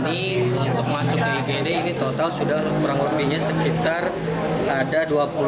di bawah ini untuk masuk ke igd ini total sudah kurang lebihnya sekitar ada dua puluh lima dua puluh tujuh